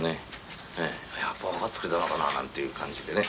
やっぱ分かってくれたのかな？なんていう感じでね